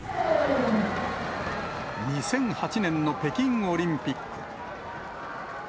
２００８年の北京オリンピック。